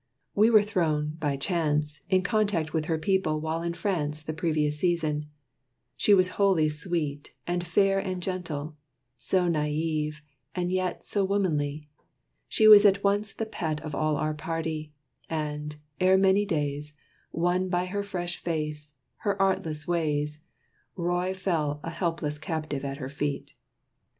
We were thrown, by chance, In contact with her people while in France The previous season: she was wholly sweet And fair and gentle; so näive, and yet So womanly, she was at once the pet Of all our party; and, ere many days, Won by her fresh face, and her artless ways, Roy fell a helpless captive at her feet.